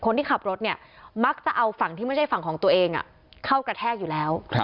คนที่ขับรถเนี่ยมักจะเอาฝั่งที่ไม่ใช่ฝั่งของตัวเองเข้ากระแทกอยู่แล้ว